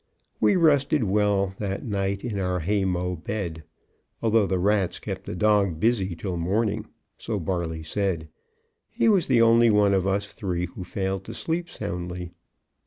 We rested well that night in our haymow bed, although the rats kept the dog busy till morning, so Barley said; he was the only one of us three who failed to sleep soundly.